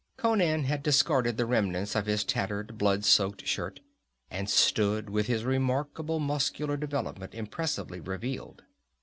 Conan had discarded the remnants of his tattered, blood soaked shirt, and stood with his remarkable muscular development impressively revealed.